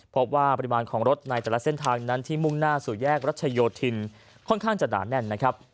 พบว่าปริมาณของรถในแต่ละเส้นทางนั้นที่มุ่งหน้าสู่แยกรัชโยธินค่อนข้างจะหนาแน่นนะครับ